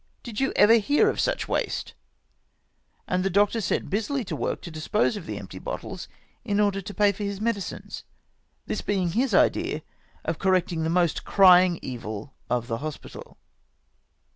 Did you ever hear of such waste !" And the doctor set busily to work to dispose of the empty bottles m order to pay for his medicines, — this being his idea of correcting the most crying evil of the hospital.